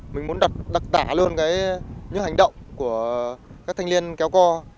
mình muốn đặc tả luôn những hành động của các thanh niên kéo co